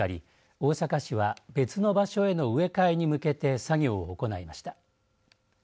大阪市は別の場所への植え替えに向けて作業を行いました。